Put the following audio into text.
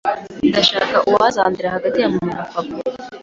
hashakwa uwazandera hagati ya mama na papa